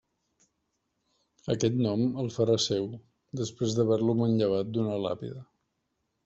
Aquest nom el farà seu, després d’haver-lo manllevat d’una làpida.